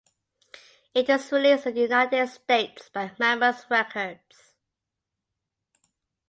It was released in the United States by Mammoth Records.